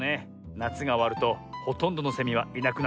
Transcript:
なつがおわるとほとんどのセミはいなくなっちゃうのさ。